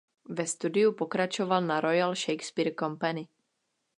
Ve studiu pokračoval na Royal Shakespeare Company.